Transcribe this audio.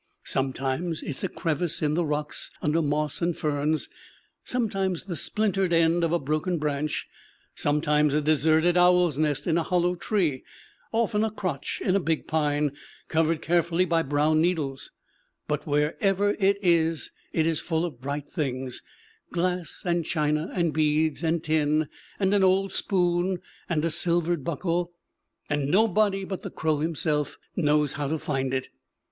Sometimes it is a crevice in the rocks under moss and ferns; sometimes the splintered end of a broken branch; sometimes a deserted owl's nest in a hollow tree; often a crotch in a big pine, covered carefully by brown needles; but wherever it is, it is full of bright things glass, and china, and beads, and tin, and an old spoon, and a silvered buckle and nobody but the crow himself knows how to find it.